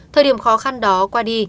thời điểm khó khăn đó qua đi